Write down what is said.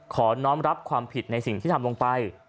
น้องรับความผิดในสิ่งที่ทำลงไป